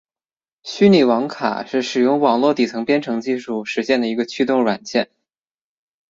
虚拟网卡是使用网络底层编程技术实现的一个驱动软件。